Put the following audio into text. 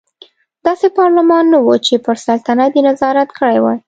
داسې پارلمان نه و چې پر سلطنت یې نظارت کړی وای.